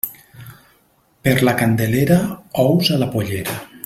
Per la Candelera, ous a la pollera.